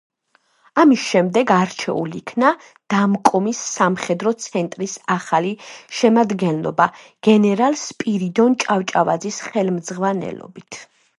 ამის შემდეგ არჩეულ იქნა „დამკომის“ სამხედრო ცენტრის ახალი შემადგენლობა გენერალ სპირიდონ ჭავჭავაძის ხელმძღვანელობით.